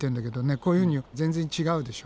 こういうふうに全然違うでしょ。